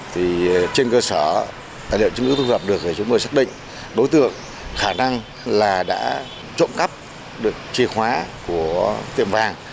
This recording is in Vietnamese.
thì trên cơ sở tài liệu chứng cứ thu thập được thì chúng tôi xác định đối tượng khả năng là đã trộm cắp được chìa khóa của tiệm vàng